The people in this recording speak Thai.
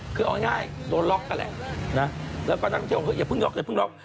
คือเอาง่ายโดนล็อกก็แหละแล้วก็นักท่องเที่ยวเฮ้ยอย่าเพิ่งล็อก